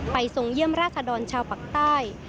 ไปส่งเยี่ยมราชดอนชาวปักใต้